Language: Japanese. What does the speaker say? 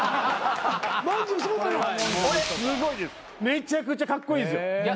めちゃくちゃカッコイイですよ。